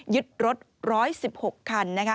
ยึดรถ๑๑๖คันนะคะ